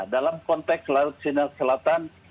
dalam konteks laut cina selatan